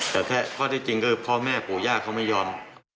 แต่แค่ข้อที่จริงก็พ่อแม่ปู่ย่าเขาไม่ยอม